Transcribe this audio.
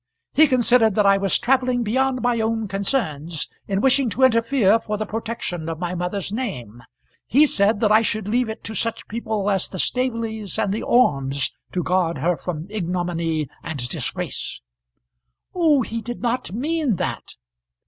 He considered that I was travelling beyond my own concerns, in wishing to interfere for the protection of my mother's name. He said that I should leave it to such people as the Staveleys and the Ormes to guard her from ignominy and disgrace." "Oh, he did not mean that!"